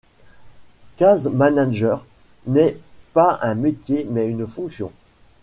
Case manager n'est pas un métier mais une fonction.